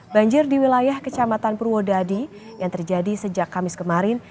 banjir di wilayah kecamatan purwodadi yang terjadi sejak kamis kemarin